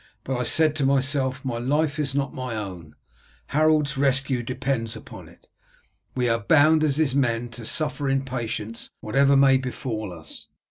But I said to myself my life is not my own, Harold's rescue depends on it. We are bound as his men to suffer in patience whatever may befall us.